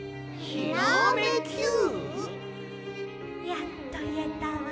「やっといえたわ。